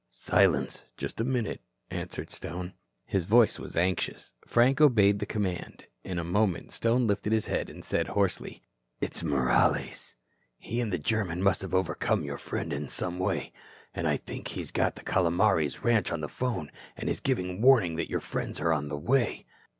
"Silence. Just a minute," answered Stone. His voice was anxious. Frank obeyed the command. In a moment, Stone lifted his head and said hoarsely: "It's Morales. He and the German must have overcome your friend in some way. And I think he's got the Calomares ranch on the phone and is giving warning that your friends are on the way."